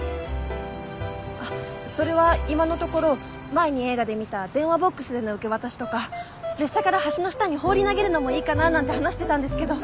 あっそれは今のところ前に映画で見た電話ボックスでの受け渡しとか列車から橋の下に放り投げるのもいいかななんて話してたんですけど。